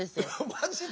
マジで？